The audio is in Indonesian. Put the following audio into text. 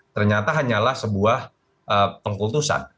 ternyata hanyalah sebuah pengkultusan